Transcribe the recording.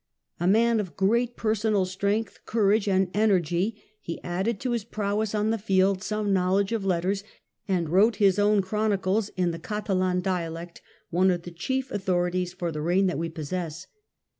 A man of great per James i., sonal strength, courage and energy, he added to his prowess on the field some knowledge of letters, and wrote his own chronicles in the Catalan dialect, one of the chief authorities for the reign that we possess.